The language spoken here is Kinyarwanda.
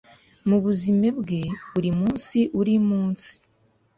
mu buzime bwe buri munsi uri munsi